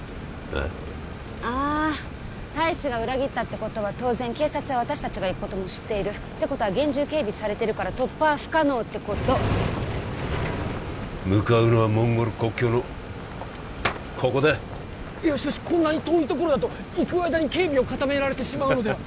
あああ大使が裏切ったってことは当然警察は私たちが行くことも知っているてことは厳重警備されてるから突破は不可能ってこと向かうのはモンゴル国境のここだいやしかしこんなに遠い所だと行く間に警備を固められてしまうのでは？